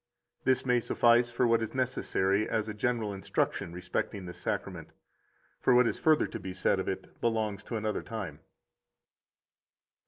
38 This may suffice for what is necessary as a general instruction respecting this Sacrament; for what is further to be said of it belongs to another time.